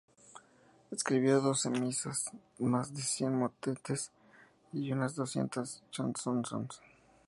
Escribió doce misas, más de cien motetes y unas doscientas "chansons".